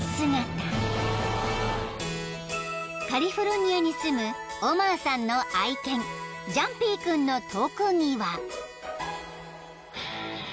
［カリフォルニアに住むオマーさんの愛犬ジャンピー君の特技は］